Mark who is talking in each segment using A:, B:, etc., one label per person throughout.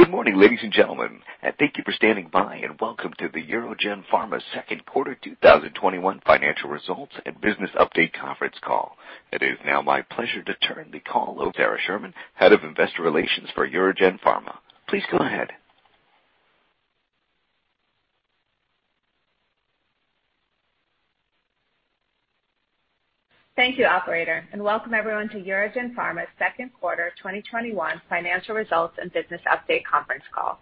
A: Good morning, ladies and gentlemen, and thank you for standing by and welcome to the UroGen Pharma second quarter 2021 financial results and business update conference call. It is now my pleasure to turn the call over to Sara Sherman, Head of Investor Relations for UroGen Pharma. Please go ahead.
B: Thank you, operator, and welcome everyone to UroGen Pharma's second quarter 2021 financial results and business update conference call.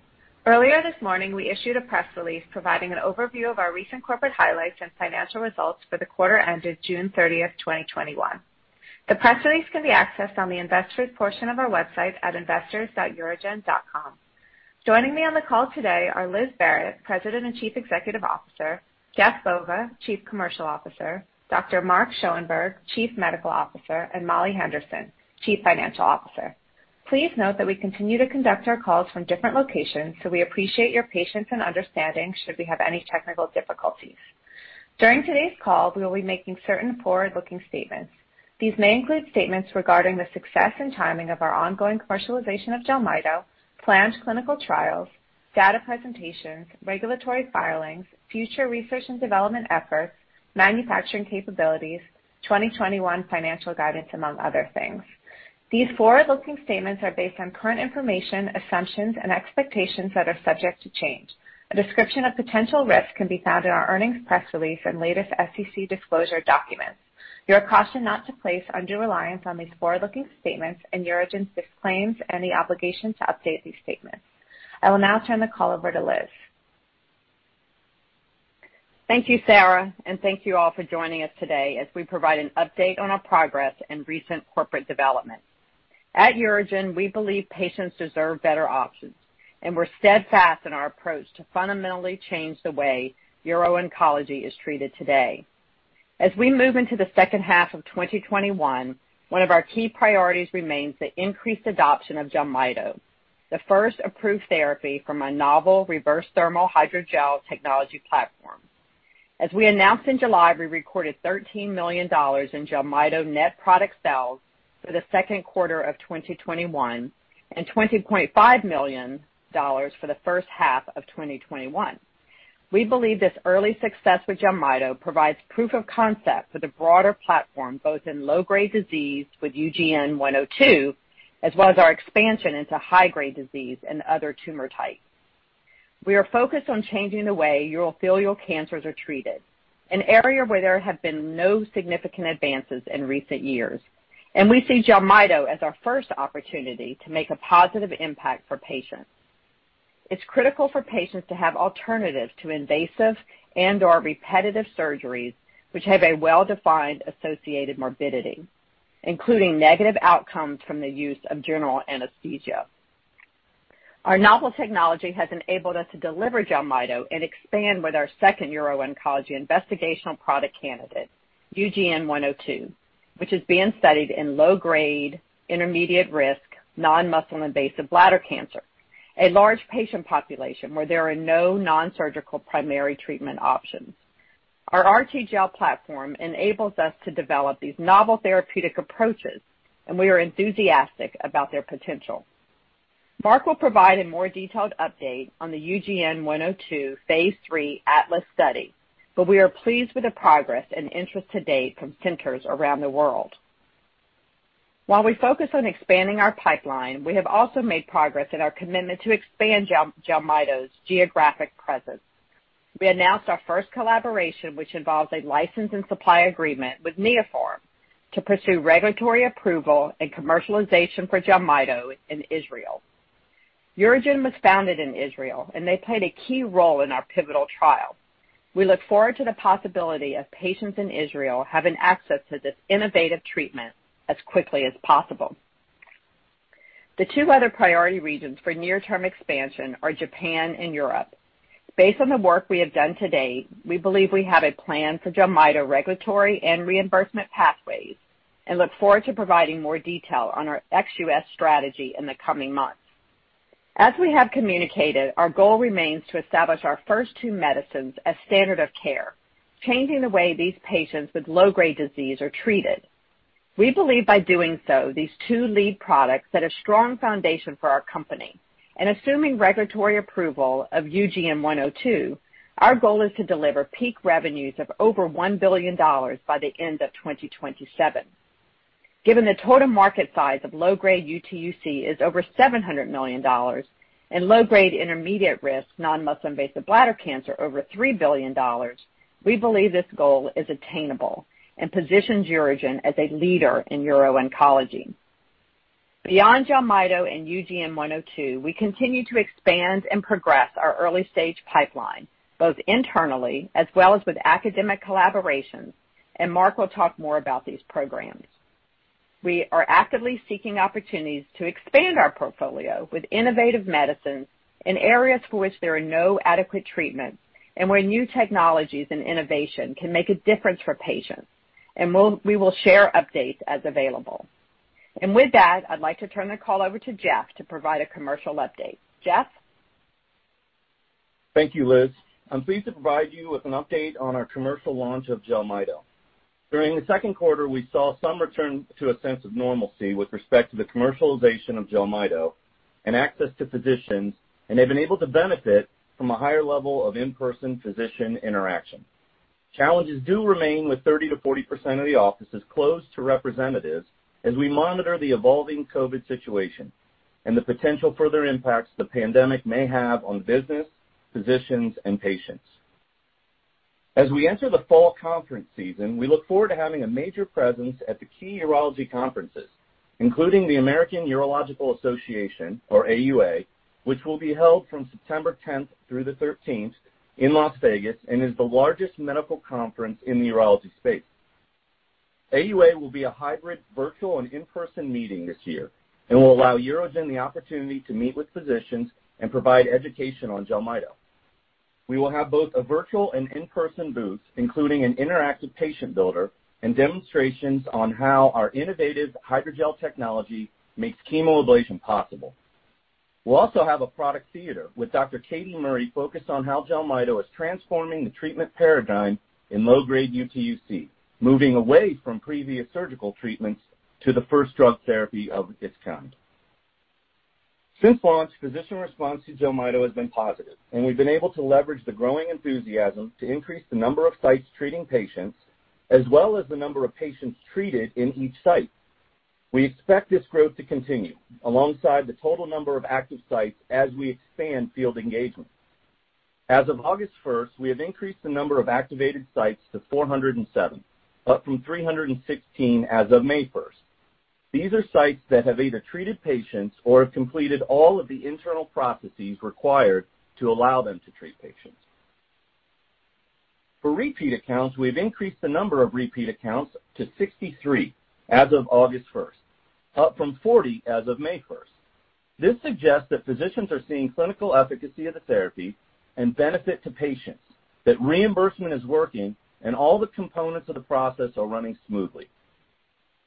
B: Earlier this morning, we issued a press release providing an overview of our recent corporate highlights and financial results for the quarter ended June 30th, 2021. The press release can be accessed on the investors portion of our website at investors.urogen.com. Joining me on the call today are Liz Barrett, President and Chief Executive Officer, Jeff Bova, Chief Commercial Officer, Dr. Mark Schoenberg, Chief Medical Officer, and Molly Henderson, Chief Financial Officer. Please note that we continue to conduct our calls from different locations, so we appreciate your patience and understanding should we have any technical difficulties. During today's call, we will be making certain forward-looking statements. These may include statements regarding the success and timing of our ongoing commercialization of JELMYTO, planned clinical trials, data presentations, regulatory filings, future research and development efforts, manufacturing capabilities, 2021 financial guidance, among other things. These forward-looking statements are based on current information, assumptions, and expectations that are subject to change. A description of potential risks can be found in our earnings press release and latest SEC disclosure documents. You are cautioned not to place undue reliance on these forward-looking statements, and UroGen disclaims any obligation to update these statements. I will now turn the call over to Liz.
C: Thank you, Sara, and thank you all for joining us today as we provide an update on our progress and recent corporate developments. At UroGen, we believe patients deserve better options, and we're steadfast in our approach to fundamentally change the way uro-oncology is treated today. As we move into the second half of 2021, one of our key priorities remains the increased adoption of JELMYTO, the first approved therapy from a novel reverse-thermal hydrogel technology platform. As we announced in July, we recorded $13 million in JELMYTO net product sales for the second quarter of 2021 and $20.5 million for the first half of 2021. We believe this early success with JELMYTO provides proof of concept for the broader platform, both in low-grade disease with UGN-102, as well as our expansion into high-grade disease and other tumor types. We are focused on changing the way urothelial cancers are treated, an area where there have been no significant advances in recent years. We see JELMYTO as our first opportunity to make a positive impact for patients. It's critical for patients to have alternatives to invasive and/or repetitive surgeries which have a well-defined associated morbidity, including negative outcomes from the use of general anesthesia. Our novel technology has enabled us to deliver JELMYTO and expand with our second uro-oncology investigational product candidate, UGN-102, which is being studied in low-grade, intermediate-risk, non-muscle invasive bladder cancer, a large patient population where there are no non-surgical primary treatment options. Our RTGel platform enables us to develop these novel therapeutic approaches. We are enthusiastic about their potential. Mark will provide a more detailed update on the UGN-102 phase III ATLAS study, but we are pleased with the progress and interest to date from centers around the world. While we focus on expanding our pipeline, we have also made progress in our commitment to expand JELMYTO's geographic presence. We announced our first collaboration, which involves a license and supply agreement with Neopharm to pursue regulatory approval and commercialization for JELMYTO in Israel. UroGen was founded in Israel, and they played a key role in our pivotal trial. We look forward to the possibility of patients in Israel having access to this innovative treatment as quickly as possible. The two other priority regions for near-term expansion are Japan and Europe. Based on the work we have done to date, we believe we have a plan for JELMYTO regulatory and reimbursement pathways and look forward to providing more detail on our ex-U.S. strategy in the coming months. As we have communicated, our goal remains to establish our first two medicines as standard of care, changing the way these patients with low-grade disease are treated. Assuming regulatory approval of UGN-102, our goal is to deliver peak revenues of over $1 billion by the end of 2027. Given the total market size of low-grade UTUC is over $700 million and low-grade intermediate-risk non-muscle invasive bladder cancer over $3 billion, we believe this goal is attainable and positions UroGen as a leader in uro-oncology. Beyond JELMYTO and UGN-102, we continue to expand and progress our early-stage pipeline, both internally as well as with academic collaborations, Mark will talk more about these programs. We are actively seeking opportunities to expand our portfolio with innovative medicines in areas for which there are no adequate treatments and where new technologies and innovation can make a difference for patients. We will share updates as available. With that, I'd like to turn the call over to Jeff to provide a commercial update. Jeff?
D: Thank you, Liz. I'm pleased to provide you with an update on our commercial launch of JELMYTO. During the second quarter, we saw some return to a sense of normalcy with respect to the commercialization of JELMYTO and access to physicians, and they've been able to benefit from a higher level of in-person physician interaction. Challenges do remain with 30%-40% of the offices closed to representatives as we monitor the evolving COVID situation and the potential further impacts the pandemic may have on business, physicians, and patients. As we enter the fall conference season, we look forward to having a major presence at the key urology conferences, including the American Urological Association, or AUA, which will be held from September 10th through the 13th in Las Vegas and is the largest medical conference in the urology space. AUA will be a hybrid virtual and in-person meeting this year and will allow UroGen the opportunity to meet with physicians and provide education on JELMYTO. We will have both a virtual and in-person booth, including an interactive patient builder and demonstrations on how our innovative hydrogel technology makes chemoablation possible. We'll also have a product theater with Dr. Katie Murray focused on how JELMYTO is transforming the treatment paradigm in low-grade UTUC, moving away from previous surgical treatments to the first drug therapy of its kind. Since launch, physician response to JELMYTO has been positive, and we've been able to leverage the growing enthusiasm to increase the number of sites treating patients, as well as the number of patients treated in each site. We expect this growth to continue alongside the total number of active sites as we expand field engagement. As of August 1st, we have increased the number of activated sites to 407, up from 316 as of May 1st. These are sites that have either treated patients or have completed all of the internal processes required to allow them to treat patients. For repeat accounts, we've increased the number of repeat accounts to 63 as of August 1st, up from 40 as of May 1st. This suggests that physicians are seeing clinical efficacy of the therapy and benefit to patients, that reimbursement is working, and all the components of the process are running smoothly.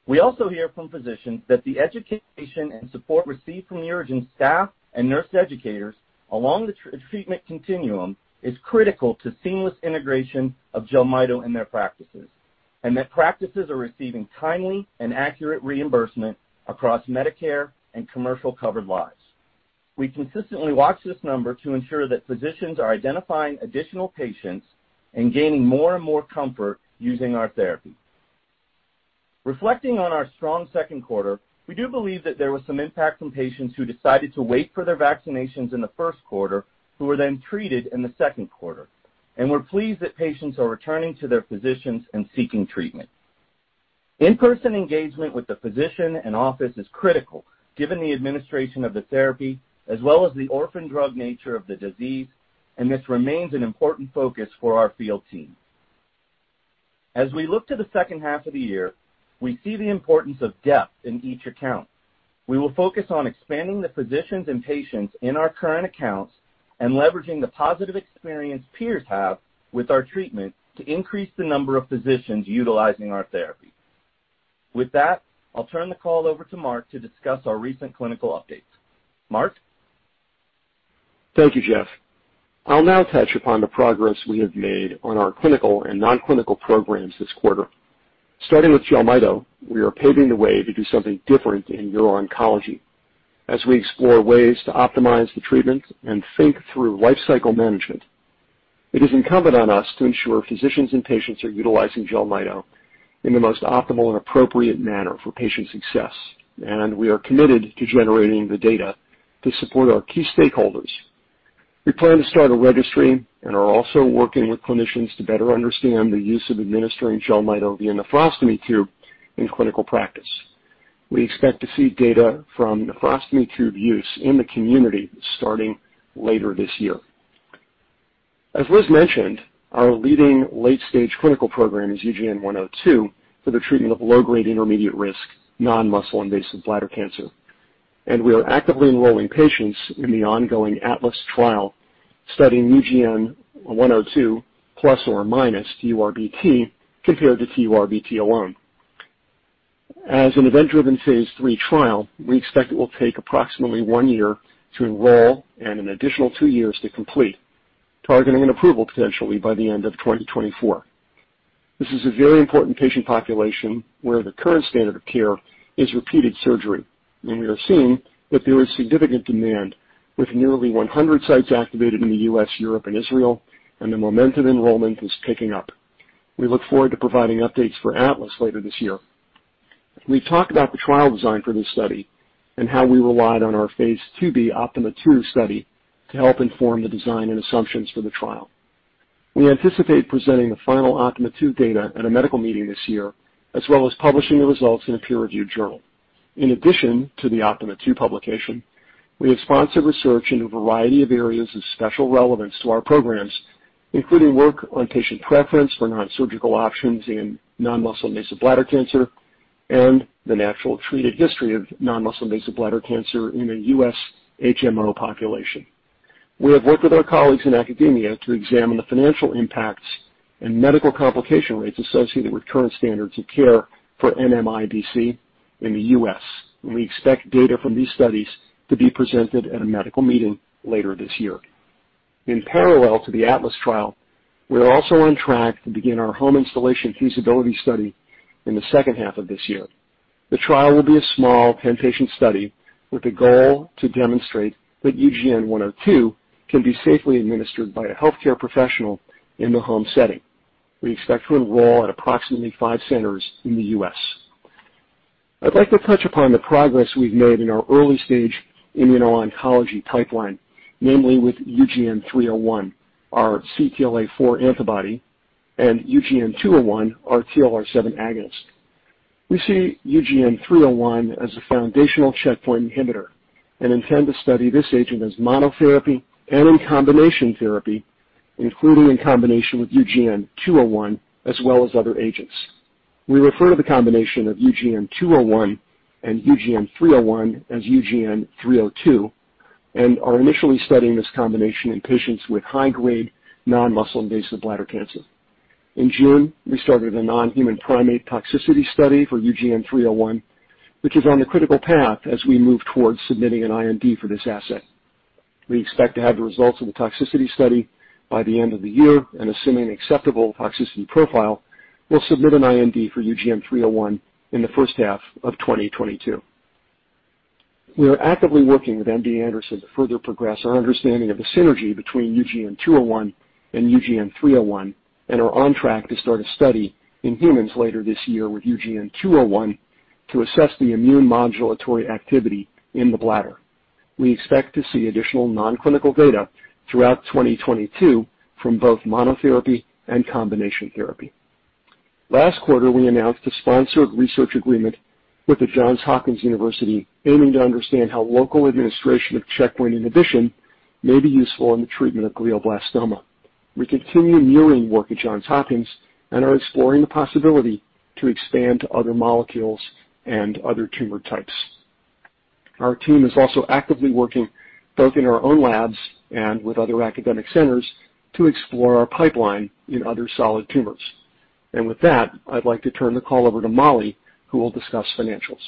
D: We also hear from physicians that the education and support received from the UroGen staff and nurse educators along the treatment continuum is critical to seamless integration of JELMYTO in their practices, and that practices are receiving timely and accurate reimbursement across Medicare and commercial-covered lives. We consistently watch this number to ensure that physicians are identifying additional patients and gaining more and more comfort using our therapy. Reflecting on our strong second quarter, we do believe that there was some impact from patients who decided to wait for their vaccinations in the first quarter who were then treated in the second quarter, and we're pleased that patients are returning to their physicians and seeking treatment. In-person engagement with the physician and office is critical given the administration of the therapy as well as the orphan drug nature of the disease, and this remains an important focus for our field team. As we look to the second half of the year, we see the importance of depth in each account. We will focus on expanding the physicians and patients in our current accounts and leveraging the positive experience peers have with our treatment to increase the number of physicians utilizing our therapy. With that, I'll turn the call over to Mark to discuss our recent clinical updates. Mark?
E: Thank you, Jeff. I'll now touch upon the progress we have made on our clinical and non-clinical programs this quarter. Starting with JELMYTO, we are paving the way to do something different in uro-oncology as we explore ways to optimize the treatment and think through life cycle management. It is incumbent on us to ensure physicians and patients are utilizing JELMYTO in the most optimal and appropriate manner for patient success. We are committed to generating the data to support our key stakeholders. We plan to start a registry and are also working with clinicians to better understand the use of administering JELMYTO via nephrostomy tube in clinical practice. We expect to see data from nephrostomy tube use in the community starting later this year. As Liz mentioned, our leading late-stage clinical program is UGN-102 for the treatment of low-grade intermediate-risk non-muscle invasive bladder cancer. We are actively enrolling patients in the ongoing ATLAS trial studying UGN-102 plus or minus TURBT compared to TURBT alone. As an event-driven phase III trial, we expect it will take approximately one year to enroll and an additional two years to complete, targeting an approval potentially by the end of 2024. This is a very important patient population where the current standard of care is repeated surgery, and we are seeing that there is significant demand, with nearly 100 sites activated in the U.S., Europe, and Israel, and the momentum enrollment is picking up. We look forward to providing updates for ATLAS later this year. We've talked about the trial design for this study and how we relied on our phase II-B OPTIMA II study to help inform the design and assumptions for the trial. We anticipate presenting the final OPTIMA II data at a medical meeting this year, as well as publishing the results in a peer-reviewed journal. In addition to the OPTIMA II publication, we have sponsored research in a variety of areas of special relevance to our programs, including work on patient preference for non-surgical options in non-muscle invasive bladder cancer and the natural treated history of non-muscle invasive bladder cancer in the U.S. HMO population. We have worked with our colleagues in academia to examine the financial impacts and medical complication rates associated with current standards of care for NMIBC in the U.S.. We expect data from these studies to be presented at a medical meeting later this year. In parallel to the ATLAS trial, we are also on track to begin our home instillation feasibility study in the second half of this year. The trial will be a small orientation study with the goal to demonstrate that UGN-102 can be safely administered by a healthcare professional in the home setting. We expect to enroll at approximately five centers in the U.S.. I'd like to touch upon the progress we've made in our early-stage immuno-oncology pipeline, namely with UGN-301, our CTLA-4 antibody, and UGN-201, our TLR7 agonist. We see UGN-301 as a foundational checkpoint inhibitor and intend to study this agent as monotherapy and in combination therapy, including in combination with UGN-201 as well as other agents. We refer to the combination of UGN-201 and UGN-301 as UGN-302 and are initially studying this combination in patients with high-grade, non-muscle invasive bladder cancer. In June, we started a non-human primate toxicity study for UGN-301, which is on the critical path as we move towards submitting an IND for this asset. We expect to have the results of the toxicity study by the end of the year, and assuming acceptable toxicity profile, we'll submit an IND for UGN-301 in the first half of 2022. We are actively working with MD Anderson to further progress our understanding of the synergy between UGN-201 and UGN-301 and are on track to start a study in humans later this year, with UGN-201 to assess the immune modulatory activity in the bladder. We expect to see additional non-clinical data throughout 2022 from both monotherapy and combination therapy. Last quarter, we announced a sponsored research agreement with the Johns Hopkins University, aiming to understand how local administration of checkpoint inhibition may be useful in the treatment of glioblastoma. We continue mirroring work at Johns Hopkins and are exploring the possibility to expand to other molecules and other tumor types. Our team is also actively working both in our own labs and with other academic centers to explore our pipeline in other solid tumors. With that, I'd like to turn the call over to Molly, who will discuss financials.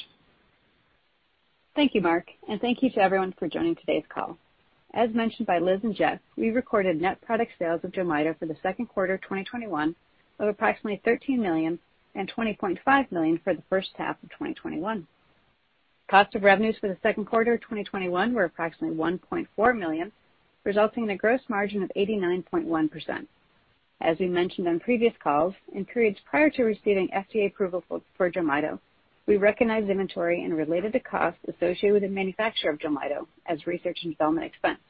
F: Thank you, Mark, thank you to everyone for joining today's call. As mentioned by Liz and Jeff, we recorded net product sales of JELMYTO for the second quarter 2021 of approximately $13 million and $20.5 million for the first half of 2021. Cost of revenues for the second quarter 2021 were approximately $1.4 million, resulting in a gross margin of 89.1%. As we mentioned on previous calls, in periods prior to receiving FDA approval for JELMYTO, we recognized inventory and related to costs associated with the manufacture of JELMYTO as research and development expense.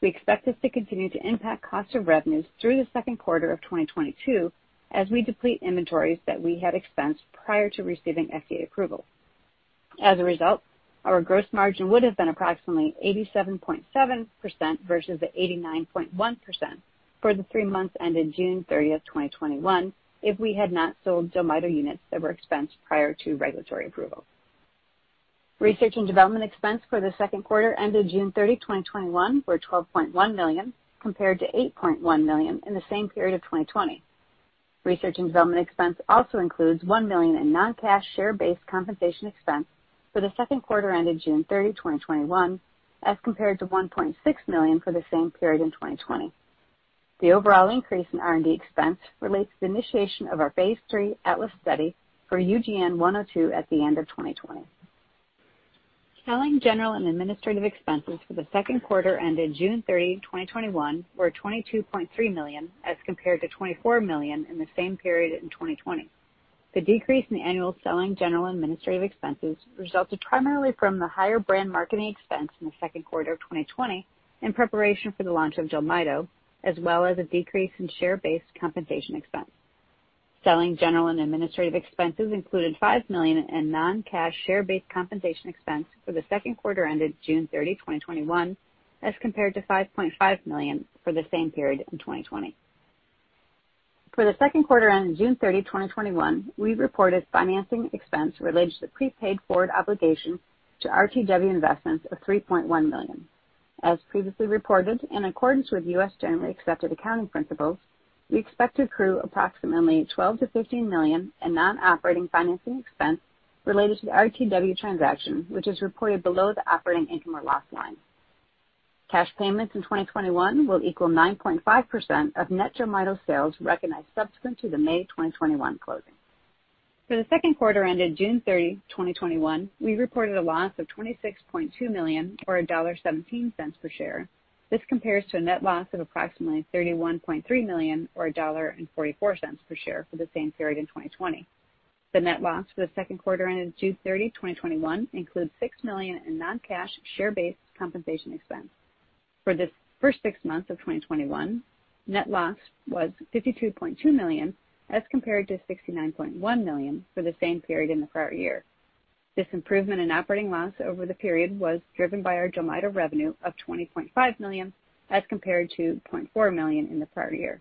F: We expect this to continue to impact cost of revenues through the second quarter of 2022 as we deplete inventories that we had expensed prior to receiving FDA approval. As a result, our gross margin would have been approximately 87.7% versus the 89.1% for the three months ended June 30th, 2021, if we had not sold JELMYTO units that were expensed prior to regulatory approval. Research and development expense for the second quarter ended June 30, 2021, were $12.1 million, compared to $8.1 million in the same period of 2020. Research and development expense also includes $1 million in non-cash share-based compensation expense for the second quarter ended June 30, 2021, as compared to $1.6 million for the same period in 2020. The overall increase in R&D expense relates to the initiation of our phase III ATLAS study for UGN-102 at the end of 2020. Selling, general, and administrative expenses for the second quarter ended June 30, 2021, were $22.3 million as compared to $24 million in the same period in 2020. The decrease in annual selling, general, and administrative expenses resulted primarily from the higher brand marketing expense in the second quarter of 2020 in preparation for the launch of JELMYTO, as well as a decrease in share-based compensation expense. Selling, general, and administrative expenses included $5 million in non-cash share-based compensation expense for the second quarter ended June 30, 2021, as compared to $5.5 million for the same period in 2020. For the second quarter ended June 30, 2021, we reported financing expense related to the prepaid forward obligation to RTW Investments of $3.1 million. As previously reported, in accordance with U.S. generally accepted accounting principles, we expect to accrue approximately $12 million-$15 million in non-operating financing expense related to the RTW transaction, which is reported below the operating income or loss line. Cash payments in 2021 will equal 9.5% of net JELMYTO sales recognized subsequent to the May 2021 closing. For the second quarter ended June 30, 2021, we reported a loss of $26.2 million, or $1.17 per share. This compares to a net loss of approximately $31.3 million, or $1.44 per share for the same period in 2020. The net loss for the second quarter ended June 30, 2021, includes $6 million in non-cash share-based compensation expense. For the first six months of 2021, net loss was $52.2 million as compared to $69.1 million for the same period in the prior year. This improvement in operating loss over the period was driven by our JELMYTO revenue of $20.5 million as compared to $0.4 million in the prior year.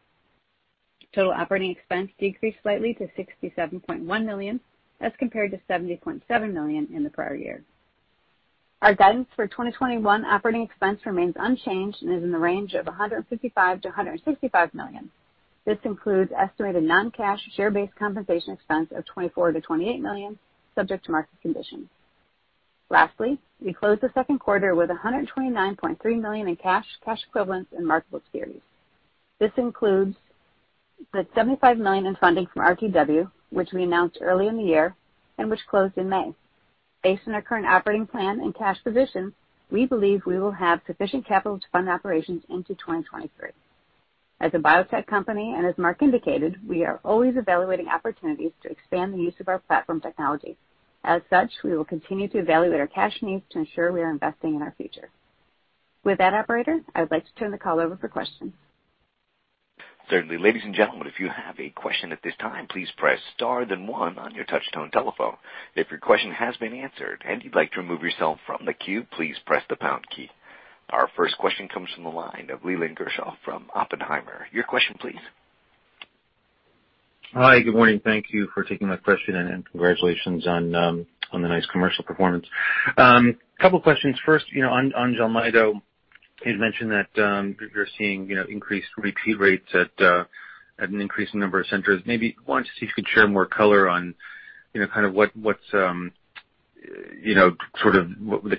F: Total operating expense decreased slightly to $67.1 million as compared to $70.7 million in the prior year. Our guidance for 2021 operating expense remains unchanged and is in the range of $155 million-$165 million. This includes estimated non-cash share-based compensation expense of $24 million-$28 million, subject to market conditions. Lastly, we closed the second quarter with $129.3 million in cash equivalents, and marketable securities. This includes the $75 million in funding from RTW, which we announced early in the year and which closed in May. Based on our current operating plan and cash position, we believe we will have sufficient capital to fund operations into 2023. As a biotech company, and as Mark indicated, we are always evaluating opportunities to expand the use of our platform technology. As such, we will continue to evaluate our cash needs to ensure we are investing in our future. With that, operator, I would like to turn the call over for questions.
A: Certainly. Ladies and gentlemen, if you have a question at this time please press star then one on your touch tone telephone. If your question has been answered and you would like to remove yourself from the queue, please press the pound key. Our first question comes from the line of Leland Gershell from Oppenheimer. Your question please.
G: Hi, good morning. Thank you for taking my question, and congratulations on the nice commercial performance. Couple questions. First, on JELMYTO, you had mentioned that you're seeing increased repeat rates at an increasing number of centers. Maybe wanted to see if you could share more color on the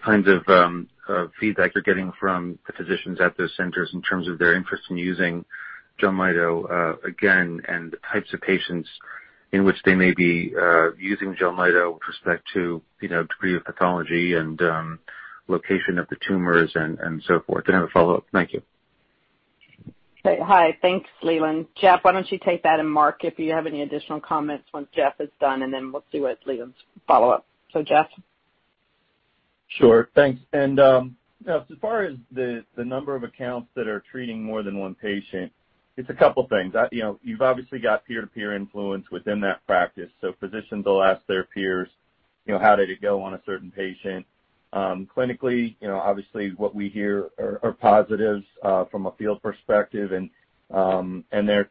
G: kinds of feedback you're getting from the physicians at those centers in terms of their interest in using JELMYTO again, and the types of patients in which they may be using JELMYTO with respect to degree of pathology and location of the tumors and so forth. Then, I have a follow-up. Thank you.
C: Hi. Thanks, Leland. Jeff, why don't you take that, and Mark, if you have any additional comments once Jeff is done, and then we'll see what Leland's follow-up. Jeff?
D: As far as the number of accounts that are treating more than one patient, it's a couple things. You've obviously got peer-to-peer influence within that practice. Physicians will ask their peers, "How did it go on a certain patient?" Clinically, obviously, what we hear are positives from a field perspective, and they're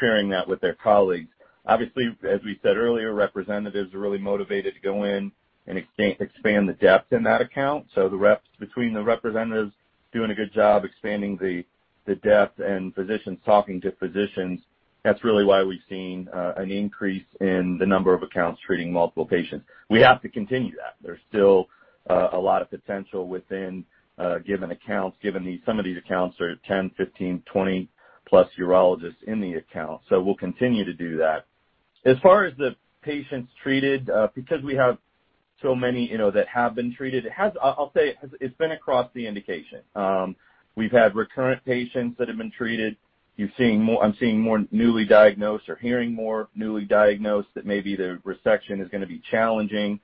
D: sharing that with their colleagues. Obviously, as we said earlier, representatives are really motivated to go in and expand the depth in that account. The reps between the representatives doing a good job expanding the depth and physicians talking to physicians, that's really why we've seen an increase in the number of accounts treating multiple patients. We have to continue that. There's still a lot of potential within given accounts, given some of these accounts are 10, 15, 20+ urologists in the account. We'll continue to do that. As far as the patients treated, because we have so many that have been treated, I'll say it's been across the indication. We've had recurrent patients that have been treated. I'm seeing more newly diagnosed or hearing more newly diagnosed that maybe the resection is going to be challenging.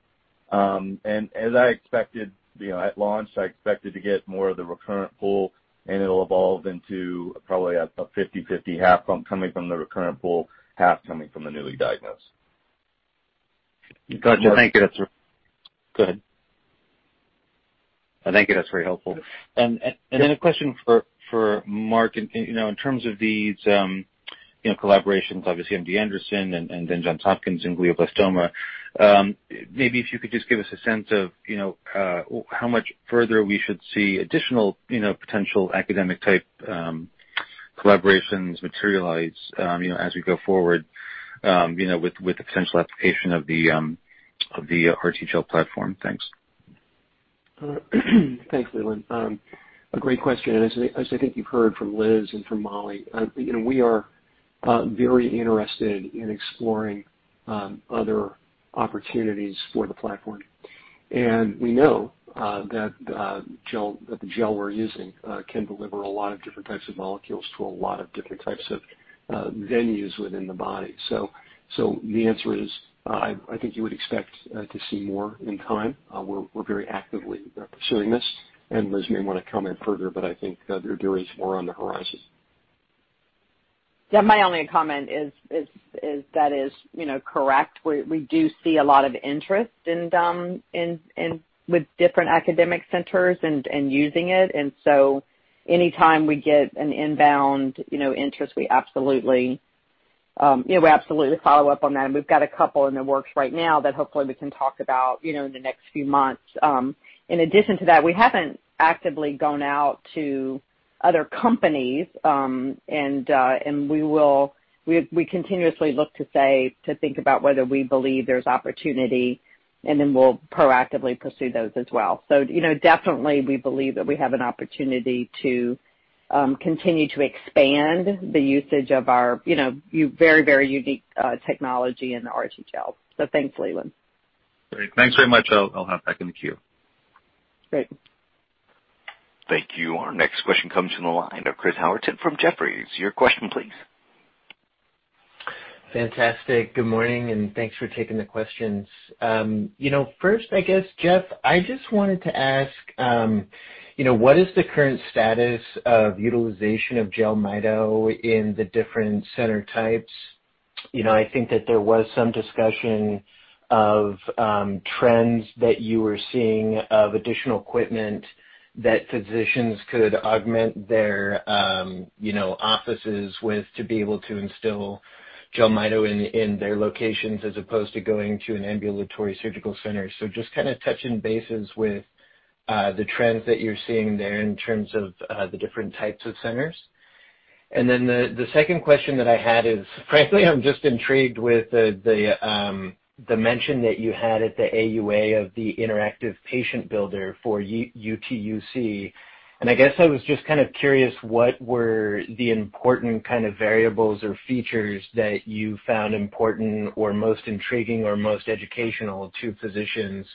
D: As I expected at launch, I expected to get more of the recurrent pool, and it'll evolve into probably a 50/50, half coming from the recurrent pool, half coming from the newly diagnosed.
G: Thank you. That's very helpful. Then a question for Mark. In terms of these collaborations, obviously MD Anderson and then Johns Hopkins in glioblastoma, maybe if you could just give us a sense of how much further we should see additional potential academic-type collaborations materialize as we go forward with the potential application of the RTGel platform. Thanks.
E: Thanks, Leland. A great question. As I think you've heard from Liz and from Molly, we are very interested in exploring other opportunities for the platform. We know that the gel we're using can deliver a lot of different types of molecules to a lot of different types of venues within the body. The answer is, I think you would expect to see more in time. We're very actively pursuing this. Liz may want to comment further, but I think there is more on the horizon.
C: My only comment is that is correct. We do see a lot of interest with different academic centers and using it, and so anytime we get an inbound interest, we absolutely follow up on that, and we've got a couple in the works right now that hopefully we can talk about in the next few months. In addition to that, we haven't actively gone out to other companies. We continuously look to think about whether we believe there's opportunity, and then we'll proactively pursue those as well. Definitely, we believe that we have an opportunity to continue to expand the usage of our very unique technology in RTGel. Thanks, Leland.
G: Thanks very much. I'll hop back in the queue.
A: Thank you. Our next question comes from the line of Chris Howerton from Jefferies. Your question please.
H: Fantastic. Good morning. Thanks for taking the questions. First, I guess, Jeff, I just wanted to ask, what is the current status of utilization of JELMYTO in the different center types? I think that there was some discussion of trends that you were seeing of additional equipment that physicians could augment their offices with to be able to instill JELMYTO in their locations as opposed to going to an ambulatory surgical center. Just kind of touching bases with the trends that you're seeing there in terms of the different types of centers? The second question that I had is, frankly, I'm just intrigued with the mention that you had at the AUA of the interactive patient builder for UTUC, and I guess I was just kind of curious, what were the important kind of variables or features that you found important or most intriguing or most educational to physicians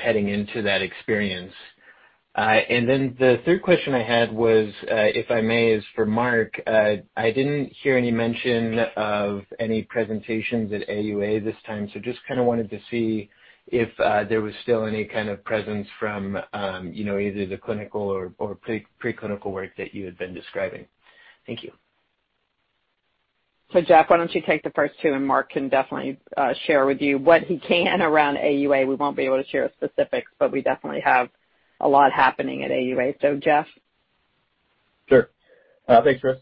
H: heading into that experience? The third question I had was, if I may, is for Mark. I didn't hear any mention of any presentations at AUA this time, so just kind of wanted to see if there was still any kind of presence from either the clinical or pre-clinical work that you had been describing. Thank you.
C: Jeff, why don't you take the first two, and Mark can definitely share with you what he can around AUA. We won't be able to share specifics, but we definitely have a lot happening at AUA. Jeff?
D: Thanks, Chris.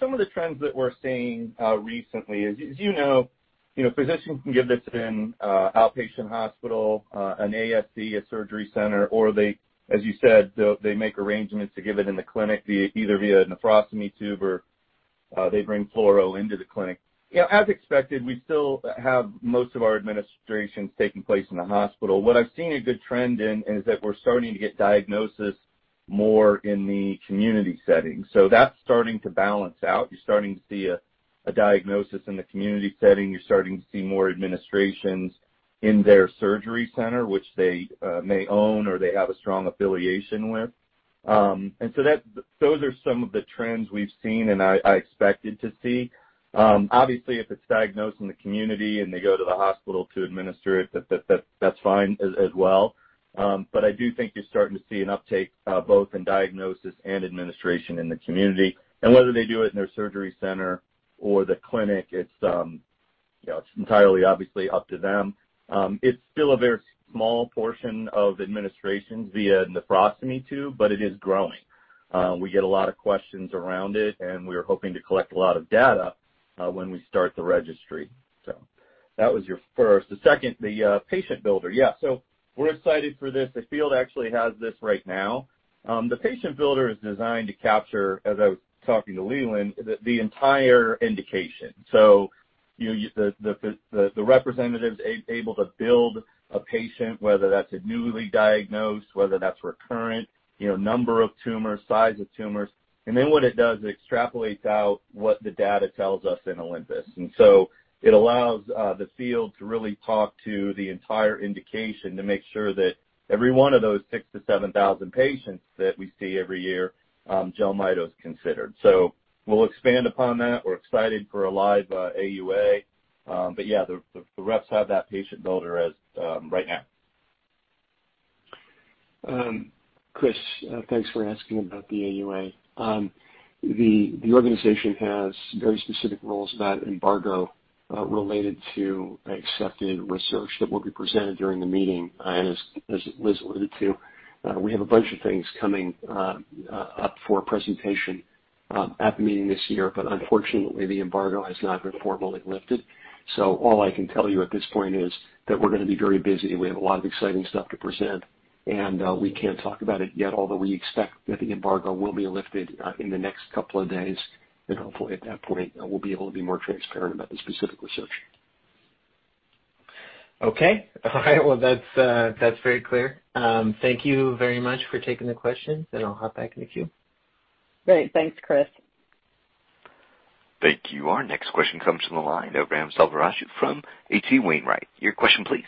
D: Some of the trends that we're seeing recently, as you know, physicians can give this in outpatient hospital, an ASC, a surgery center, or they, as you said, they make arrangements to give it in the clinic either via a nephrostomy tube or they bring fluoroscopy into the clinic. As expected, we still have most of our administrations taking place in the hospital. What I've seen a good trend in is that we're starting to get diagnosis more in the community setting. That's starting to balance out. You're starting to see a diagnosis in the community setting. You're starting to see more administrations in their surgery center, which they may own, or they have a strong affiliation with. Those are some of the trends we've seen, and I expected to see. Obviously, if it's diagnosed in the community and they go to the hospital to administer it, that's fine as well. I do think you're starting to see an uptake both in diagnosis and administration in the community. Whether they do it in their surgery center or the clinic, it's entirely obviously up to them. It's still a very small portion of administrations via nephrostomy tube, but it is growing. We get a lot of questions around it, and we are hoping to collect a lot of data when we start the registry. That was your first. The second, the patient builder. We're excited for this. The field actually has this right now. The patient builder is designed to capture, as I was talking to Leland, the entire indication. The representative's able to build a patient, whether that's a newly diagnosed, whether that's recurrent, number of tumors, size of tumors. What it does, it extrapolates out what the data tells us in OLYMPUS. It allows the field to really talk to the entire indication to make sure that every one of those 6,000 to 7,000 patients that we see every year, JELMYTO's considered. We'll expand upon that. We're excited for a live AUA. The reps have that patient builder right now.
E: Chris, thanks for asking about the AUA. The organization has very specific rules about embargo related to accepted research that will be presented during the meeting. As Liz alluded to, we have a bunch of things coming up for presentation at the meeting this year. Unfortunately, the embargo has not been formally lifted. All I can tell you at this point is that we're going to be very busy. We have a lot of exciting stuff to present. We can't talk about it yet, although we expect that the embargo will be lifted in the next couple of days. Hopefully at that point, we'll be able to be more transparent about the specific research.
H: Okay. All right. Well, that's very clear. Thank you very much for taking the questions, and I'll hop back in the queue.
C: Thanks, Chris.
A: Thank you. Our next question comes from the line of Ram Selvaraju from H.C. Wainwright. Your question please.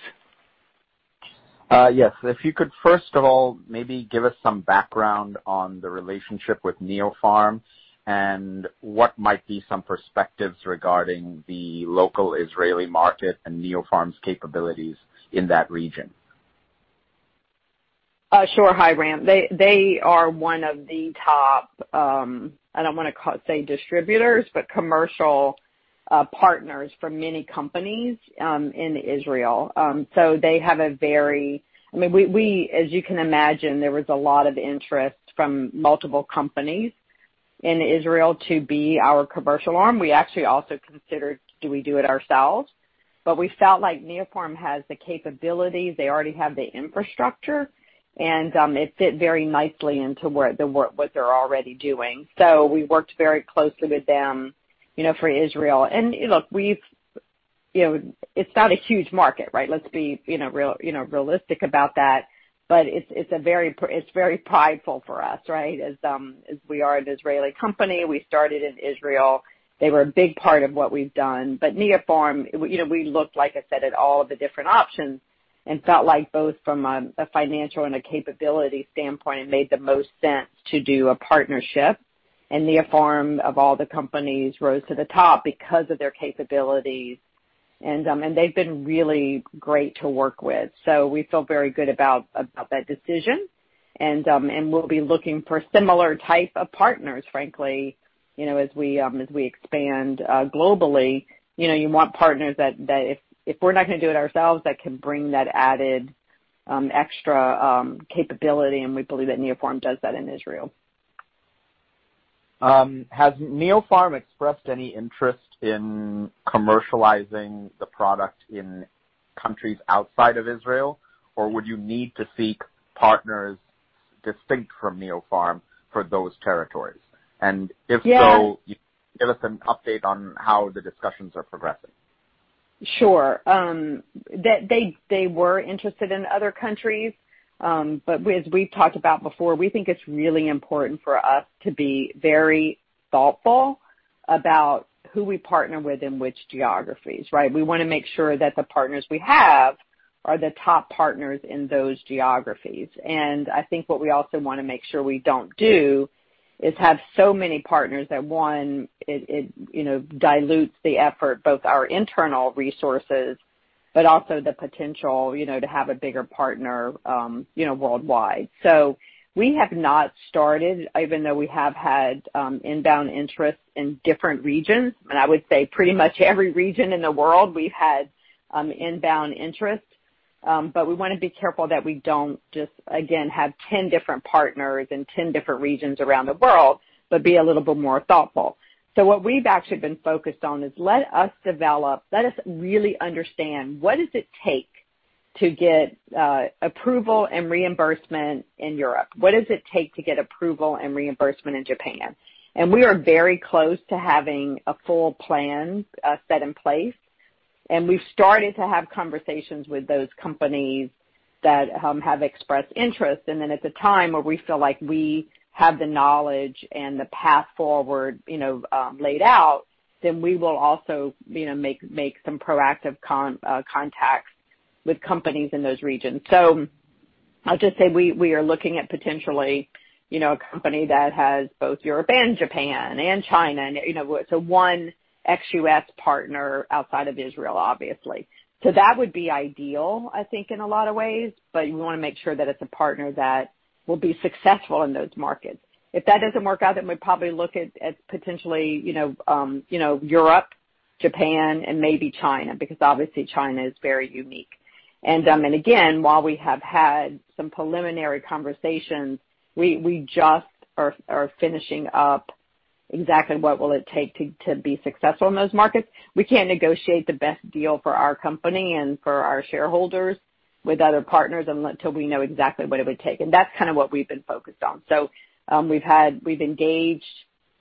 I: If you could first of all maybe give us some background on the relationship with Neopharm and what might be some perspectives regarding the local Israeli market and Neopharm's capabilities in that region.
C: Hi, Ram. They are one of the top, I don't want to say distributors, but commercial partners for many companies in Israel. As you can imagine, there was a lot of interest from multiple companies in Israel to be our commercial arm. We actually also considered, do we do it ourselves? We felt like Neopharm has the capability. They already have the infrastructure, and it fit very nicely into what they're already doing. We worked very closely with them for Israel. Look, it's not a huge market, right? Let's be realistic about that. It's very prideful for us, right? As we are an Israeli company, we started in Israel. They were a big part of what we've done. Neopharm, we looked, like I said, at all of the different options and felt like both from a financial and a capability standpoint, it made the most sense to do a partnership. Neopharm, of all the companies, rose to the top because of their capabilities. They've been really great to work with. We feel very good about that decision, and we'll be looking for similar type of partners, frankly, as we expand globally. You want partners that if we're not going to do it ourselves, that can bring that added extra capability, and we believe that Neopharm does that in Israel.
I: Has Neopharm expressed any interest in commercializing the product in countries outside of Israel, or would you need to seek partners distinct from Neopharm for those territories? If so, give us an update on how the discussions are progressing.
C: They were interested in other countries. As we've talked about before, we think it's really important for us to be very thoughtful about who we partner with in which geographies, right? We want to make sure that the partners we have are the top partners in those geographies. I think what we also want to make sure we don't do is have so many partners that, one, it dilutes the effort, both our internal resources, but also the potential to have a bigger partner worldwide. We have not started, even though we have had inbound interest in different regions, and I would say pretty much every region in the world, we've had inbound interest. We want to be careful that we don't just, again, have 10 different partners in 10 different regions around the world, but be a little bit more thoughtful. What we've actually been focused on is let us develop, let us really understand what does it take to get approval and reimbursement in Europe? What does it take to get approval and reimbursement in Japan? We are very close to having a full plan set in place, and we've started to have conversations with those companies that have expressed interest. At the time where we feel like we have the knowledge and the path forward laid out, then we will also make some proactive contacts with companies in those regions. I'll just say we are looking at potentially a company that has both Europe and Japan and China, so one ex-U.S. partner outside of Israel, obviously. That would be ideal, I think, in a lot of ways, but we want to make sure that it's a partner that will be successful in those markets. If that doesn't work out, then we'd probably look at potentially Europe, Japan, and maybe China, because obviously China is very unique. Again, while we have had some preliminary conversations, we just are finishing up exactly what will it take to be successful in those markets. We can't negotiate the best deal for our company and for our shareholders with other partners until we know exactly what it would take. That's kind of what we've been focused on. We've engaged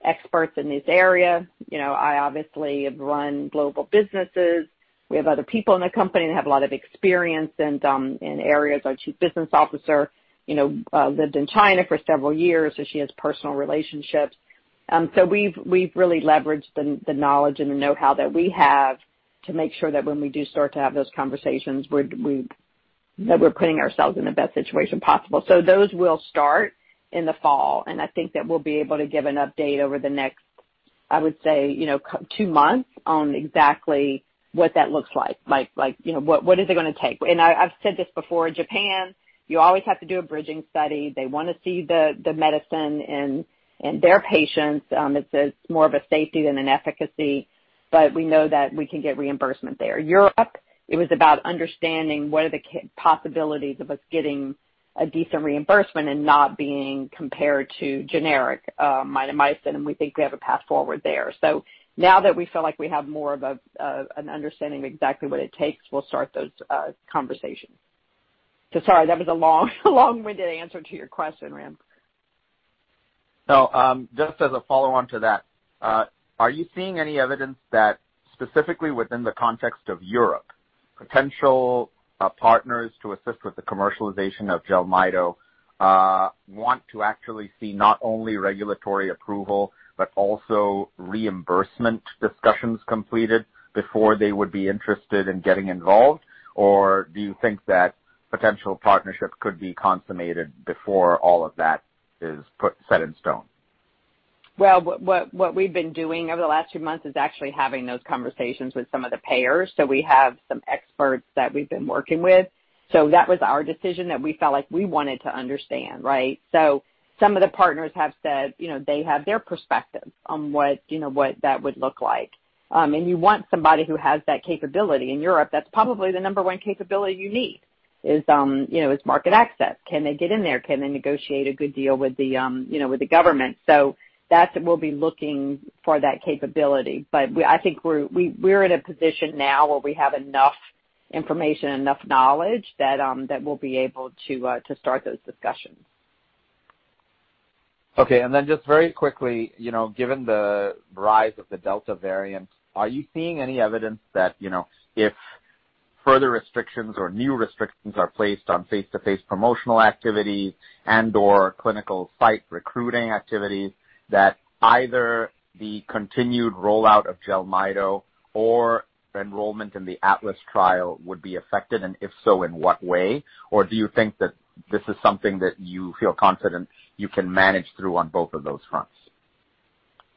C: experts in this area. I obviously have run global businesses. We have other people in the company that have a lot of experience in areas. Our chief business officer lived in China for several years, she has personal relationships. We've really leveraged the knowledge and the knowhow that we have to make sure that when we do start to have those conversations, we're playing ourselves in the best situation possible. Those will start in the fall, and I think that we'll be able to give an update over the next, I would say, two months on exactly what that looks like. What is it going to take? I've said this before, Japan, you always have to do a bridging study. They want to see the medicine in their patients. It's more of a safety than an efficacy, but we know that we can get reimbursement there. Europe, it was about understanding what are the possibilities of us getting a decent reimbursement and not being compared to generic mitomycin, and we think we have a path forward there. Now that we feel like we have more of an understanding of exactly what it takes, we'll start those conversations. Sorry, that was a long-winded answer to your question, Ram.
I: Just as a follow-on to that, are you seeing any evidence that, specifically within the context of Europe, potential partners to assist with the commercialization of JELMYTO want to actually see not only regulatory approval but also reimbursement discussions completed before they would be interested in getting involved? Do you think that potential partnerships could be consummated before all of that is set in stone?
C: Well, what we've been doing over the last two months is actually having those conversations with some of the payers. We have some experts that we've been working with. That was our decision that we felt like we wanted to understand, right? Some of the partners have said they have their perspective on what that would look like. You want somebody who has that capability. In Europe, that's probably the number one capability you need, is market access. Can they get in there? Can they negotiate a good deal with the government? That's what we'll be looking for that capability. I think we're in a position now where we have enough information, enough knowledge that we'll be able to start those discussions.
I: Just very quickly, given the rise of the Delta variant, are you seeing any evidence that if further restrictions or new restrictions are placed on face-to-face promotional activities and/or clinical site recruiting activities, that either the continued rollout of JELMYTO or enrollment in the ATLAS trial would be affected, and if so, in what way? Do you think that this is something that you feel confident you can manage through on both of those fronts?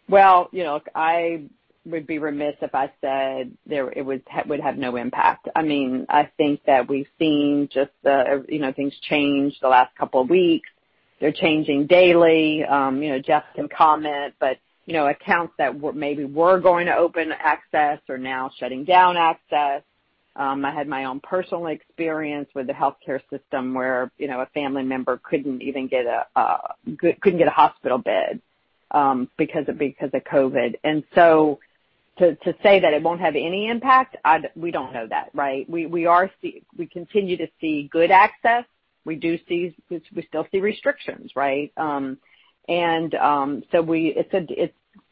C: Well, I would be remiss if I said it would have no impact. I think that we've seen just the things change the last couple of weeks. They're changing daily. Jeff can comment. Accounts that maybe were going to open access are now shutting down access. I had my own personal experience with the healthcare system where a family member couldn't get a hospital bed because of COVID. To say that it won't have any impact, we don't know that, right? We continue to see good access. We still see restrictions, right? It's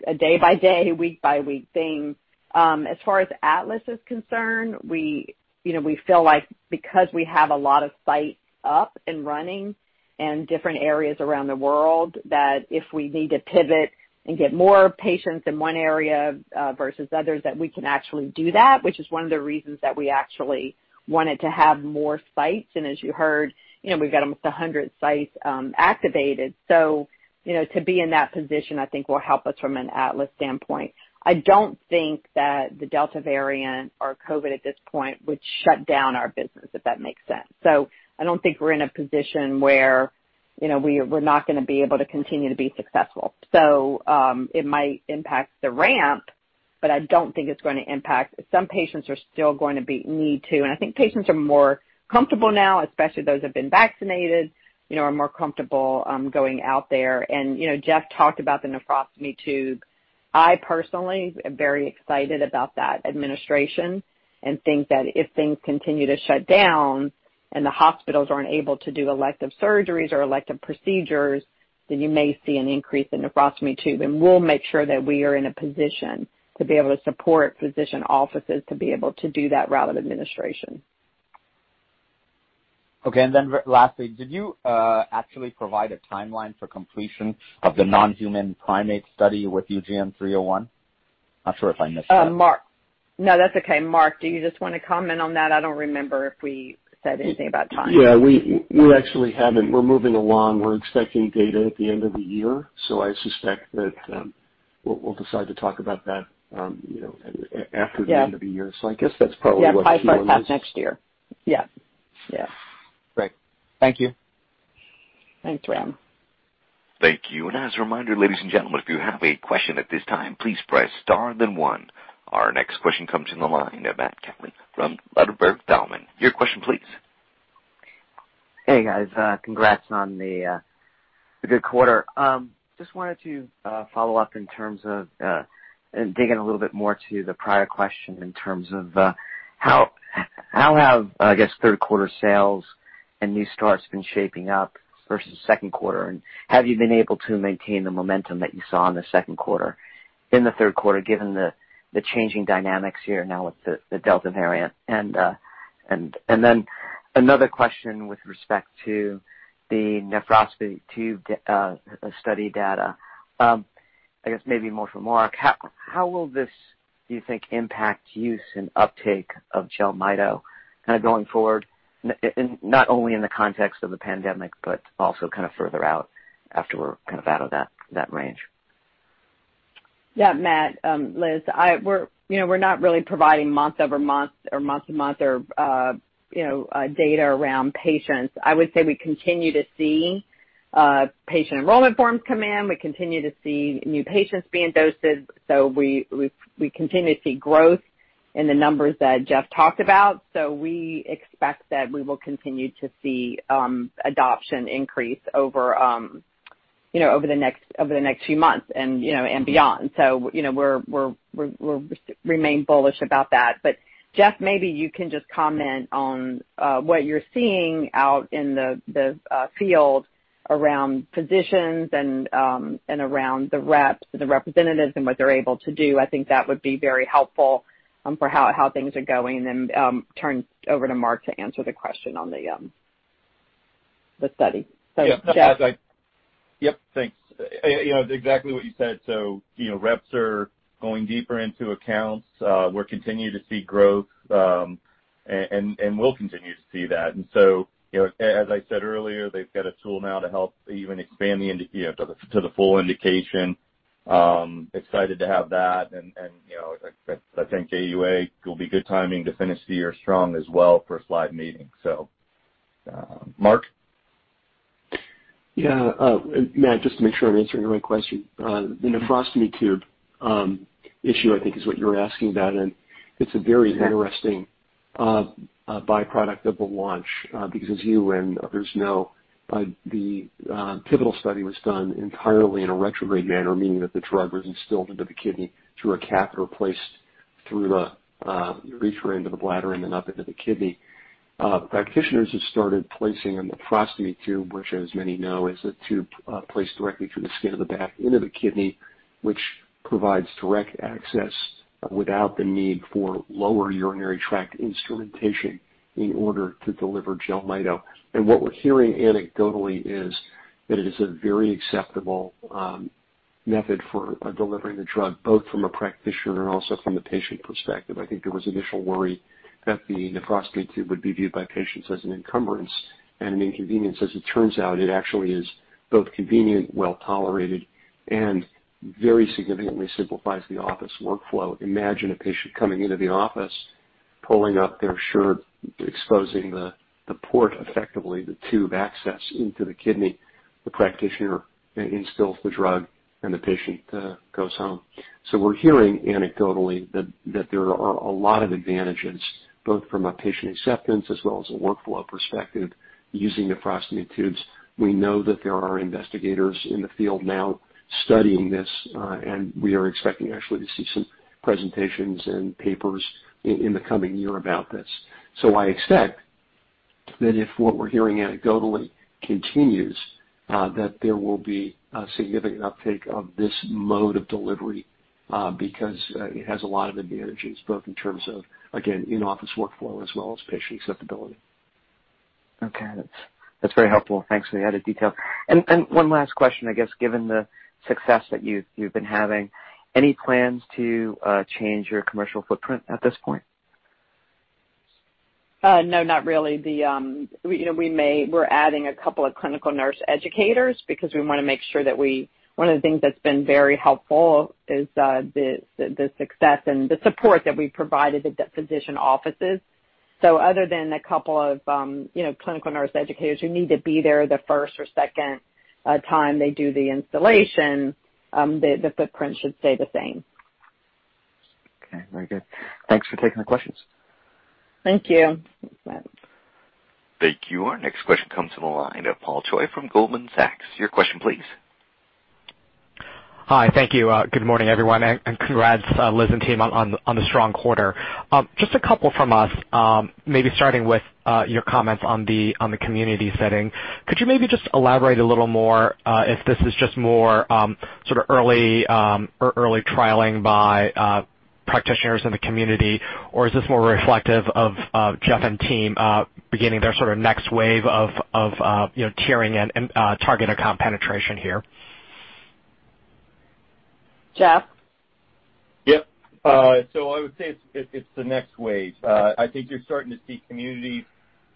C: a day-by-day, week-by-week thing. As far as ATLAS is concerned, we feel like because we have a lot of sites up and running in different areas around the world, that if we need to pivot and get more patients in one area versus others, that we can actually do that, which is one of the reasons that we actually wanted to have more sites. As you heard, we've got almost 100 sites activated. To be in that position, I think, will help us from an ATLAS standpoint. I don't think that the Delta variant or COVID at this point would shut down our business, if that makes sense. I don't think we're in a position where we're not going to be able to continue to be successful. It might impact the ramp, but I don't think it's going to impact. Some patients are still going to need to, and I think patients are more comfortable now, especially those who've been vaccinated, are more comfortable going out there. Jeff talked about the nephrostomy tube. I personally am very excited about that administration and think that if things continue to shut down and the hospitals aren't able to do elective surgeries or elective procedures, you may see an increase in nephrostomy tube. We'll make sure that we are in a position to be able to support physician offices to be able to do that route of administration.
I: Lastly, did you actually provide a timeline for completion of the non-human primate study with UGN-301? Not sure if I missed that.
C: Mark. No, that's okay. Mark, do you just want to comment on that? I don't remember if we said anything about timing.
E: We actually haven't. We're moving along. We're expecting data at the end of the year. I suspect that we'll decide to talk about that after the end of the year. I guess that's probably what he means.
C: Probably by next.
I: Thank you.
C: Thanks, Ram.
A: Thank you. As a reminder, ladies and gentlemen, if you have a question at this time, please press star then one. Our next question comes from the line of Matt Kaplan from Ladenburg Thalmann. Your question please.
J: Hey, guys. Congrats on the good quarter. Just wanted to follow-up in terms of, how have third quarter sales and new starts been shaping up versus second quarter? Have you been able to maintain the momentum that you saw in the second quarter, in the third quarter, given the changing dynamics here now with the Delta variant? Another question with respect to the nephrostomy tube study data. I guess maybe more for Mark. How will this, do you think, impact use and uptake of JELMYTO going forward, not only in the context of the pandemic, but also further out after we're out of that range?
C: Matt, Liz, we're not really providing month-over-month or month-to-month data around patients. I would say we continue to see patient enrollment forms come in. We continue to see new patients being dosed. We continue to see growth in the numbers that Jeff talked about. We expect that we will continue to see adoption increase over the next few months and beyond. We remain bullish about that. Jeff, maybe you can just comment on what you're seeing out in the field around physicians and around the reps, the representatives, and what they're able to do. I think that would be very helpful for how things are going. Turn over to Mark to answer the question on the study. Jeff.
D: Exactly what you said. Reps are going deeper into accounts. We're continuing to see growth, and we'll continue to see that. As I said earlier, they've got a tool now to help even expand to the full indication. Excited to have that, and I think AUA will be good timing to finish the year strong as well for a slide meeting. Mark?
E: Matt, just to make sure I'm answering the right question. In the nephrostomy tube issue I think is what you are asking, it's a very interesting byproduct of the launch. As you and others know, the pivotal study was done entirely in a retrograde manner, meaning that the drug was instilled into the kidney through a catheter placed through the urethra into the bladder then up into the kidney. Practitioners have started placing a nephrostomy tube, which, as many know, is a tube placed directly through the skin of the back into the kidney, which provides direct access without the need for lower urinary tract instrumentation in order to deliver JELMYTO. What we're hearing anecdotally is that it is a very acceptable method for delivering the drug, both from a practitioner and also from the patient perspective. I think there was initial worry that the nephrostomy tube would be viewed by patients as an encumbrance and an inconvenience. As it turns out, it actually is both convenient, well-tolerated, and very significantly simplifies the office workflow. Imagine a patient coming into the office, pulling up their shirt, exposing the port effectively, the tube access into the kidney. The practitioner instills the drug, the patient goes home. We're hearing anecdotally that there are a lot of advantages, both from a patient acceptance as well as a workflow perspective, using the nephrostomy tubes. We know that there are investigators in the field now studying this, we are expecting actually to see some presentations and papers in the coming year about this. I expect that if what we're hearing anecdotally continues, that there will be a significant uptake of this mode of delivery, because it has a lot of advantages, both in terms of, again, in-office workflow as well as patient acceptability.
J: That's very helpful. Thanks for the added detail. One last question, I guess, given the success that you've been having, any plans to change your commercial footprint at this point?
C: No, not really. We're adding a couple of clinical nurse educators because we want to make sure that one of the things that's been very helpful is the success and the support that we've provided at the physician offices. Other than a couple of clinical nurse educators who need to be there the first or second time they do the instillation, the footprint should stay the same.
J: Very good. Thanks for taking the questions.
C: Thank you.
A: Thank you. Our next question comes from the line of Paul Choi from Goldman Sachs. Your question, please.
K: Hi. Thank you. Good morning, everyone. Congrats, Liz and team on the strong quarter. Just a couple from us, maybe starting with your comments on the community setting. Could you maybe just elaborate a little more if this is just more sort of early trialing by practitioners in the community? Is this more reflective of Jeff and team beginning their sort of next wave of tiering and targeted comp penetration here?
C: Jeff?
D: I would say it's the next wave. I think you're starting to see communities.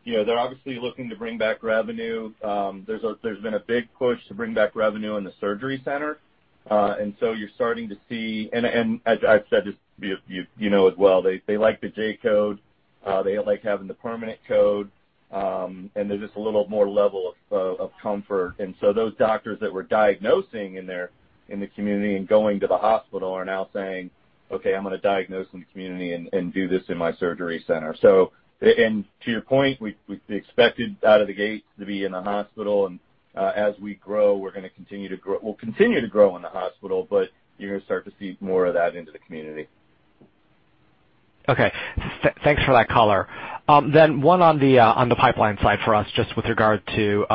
D: They're obviously looking to bring back revenue. There's been a big push to bring back revenue in the surgery center. You're starting to see, and as I've said, just you know as well, they like the J-code. They don't like having the permanent code. There's just a little more level of comfort. Those doctors that were diagnosing in the community and going to the hospital are now saying, "Okay, I'm going to diagnose in the community and do this in my surgery center." To your point, we expected out of the gate to be in the hospital, and as we grow, we'll continue to grow in the hospital, but you're going to start to see more of that into the community.
K: Thanks for that color. One on the pipeline side for us, just with regard to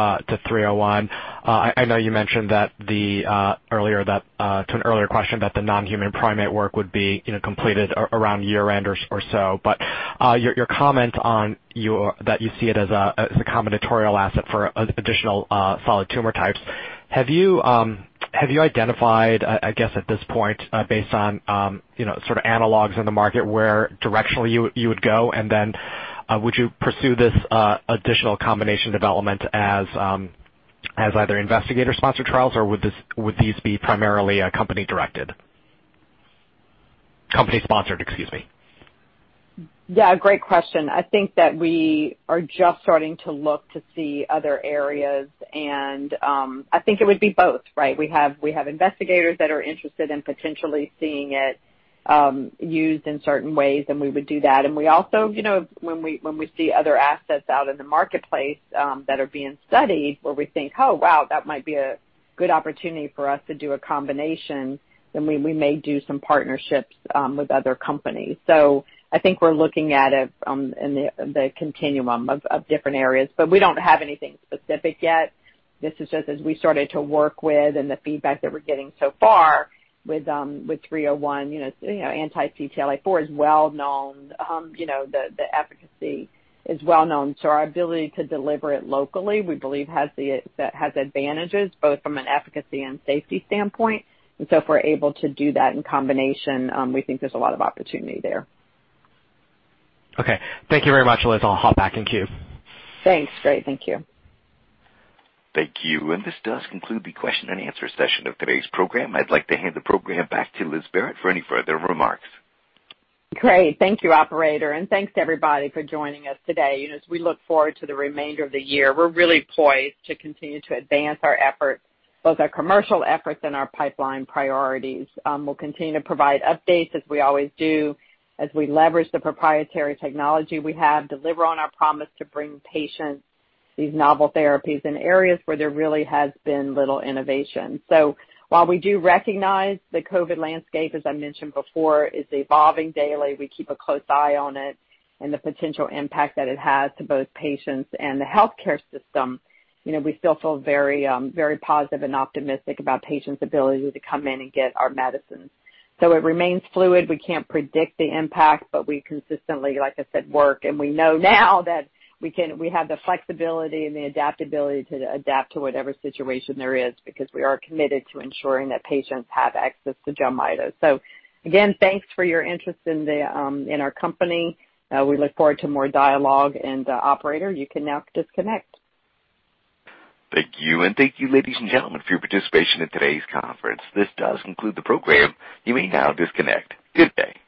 K: 301. I know you mentioned to an earlier question that the non-human primate work would be completed around year-end or so. Your comment that you see it as a combinatorial asset for additional solid tumor types. Have you identified, I guess, at this point, based on sort of analogs in the market, where directionally you would go? Would you pursue this additional combination development as either investigator-sponsored trials, or would these be primarily company-directed? Company-sponsored, excuse me.
C: Great question. I think that we are just starting to look to see other areas, and I think it would be both, right? We have investigators that are interested in potentially seeing it used in certain ways, and we would do that. We also when we see other assets out in the marketplace that are being studied where we think, "Oh, wow, that might be a good opportunity for us to do a combination," then we may do some partnerships with other companies. I think we're looking at it in the continuum of different areas, but we don't have anything specific yet. This is just as we started to work with and the feedback that we're getting so far with 301. anti-CTLA-4 is well known. The efficacy is well known. Our ability to deliver it locally, we believe, has advantages both from an efficacy and safety standpoint. If we're able to do that in combination, we think there's a lot of opportunity there.
K: Thank you very much, Liz. I'll hop back in queue.
C: Thanks. Great. Thank you.
A: Thank you. This does conclude the question and answer session of today's program. I'd like to hand the program back to Liz Barrett for any further remarks.
C: Thank you, operator, and thanks to everybody for joining us today. As we look forward to the remainder of the year, we're really poised to continue to advance our efforts, both our commercial efforts and our pipeline priorities. We'll continue to provide updates as we always do, as we leverage the proprietary technology we have, deliver on our promise to bring patients these novel therapies in areas where there really has been little innovation. While we do recognize the COVID landscape, as I mentioned before, is evolving daily, we keep a close eye on it and the potential impact that it has to both patients and the healthcare system. We still feel very positive and optimistic about patients' ability to come in and get our medicines. It remains fluid. We can't predict the impact, but we consistently, like I said, work, and we know now that we have the flexibility and the adaptability to adapt to whatever situation there is because we are committed to ensuring that patients have access to JELMYTO. Again, thanks for your interest in our company. We look forward to more dialogue. Operator, you can now disconnect.
A: Thank you. Thank you, ladies and gentlemen, for your participation in today's conference. This does conclude the program. You may now disconnect. Good day.